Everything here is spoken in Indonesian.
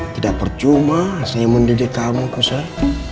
tidak percuma saya mendidik kamu pusat